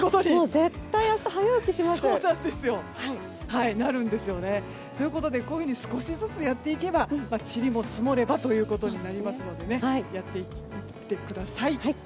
絶対明日早起きします。ということで少しずつやっていけばちりも積もればということになりますのでやっていってください。